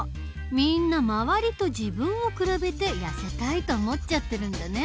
みんな周りと自分を比べてやせたいと思っちゃってるんだね。